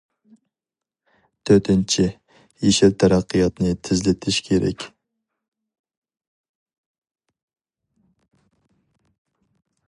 تۆتىنچى، يېشىل تەرەققىياتنى تېزلىتىش كېرەك.